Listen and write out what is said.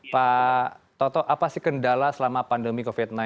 pak toto apa sih kendala selama pandemi covid sembilan belas